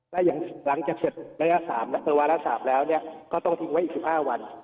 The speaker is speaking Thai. และอย่างหลังจากเสร็จวาระ๓แล้วก็ต้องทิ้งไว้อีก๑๕วัน